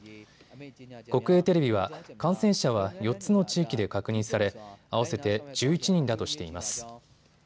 国営テレビは感染者は４つの地域で確認され合わせて１１人だとしています。